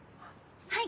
はい。